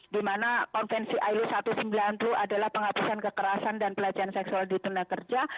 di mana konvensi ilo satu ratus sembilan puluh adalah penghapusan kekerasan dan pelecehan seksual di tenaga kerja